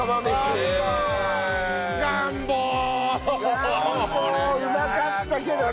ガンボうまかったけどね。